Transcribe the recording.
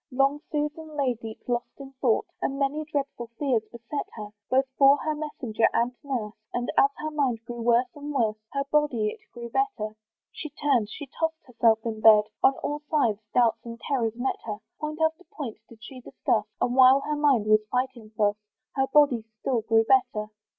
Long Susan lay deep lost in thought, And many dreadful fears beset her, Both for her messenger and nurse; And as her mind grew worse and worse, Her body it grew better. She turned, she toss'd herself in bed, On all sides doubts and terrors met her; Point after point did she discuss; And while her mind was fighting thus, Her body still grew better.